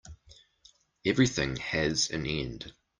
Everything has an end.